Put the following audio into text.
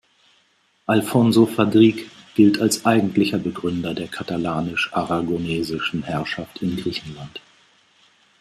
Alfonso Fadrique gilt als eigentlicher Begründer der katalanisch-aragonesischen Herrschaft in Griechenland.